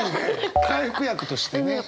回復薬としてね。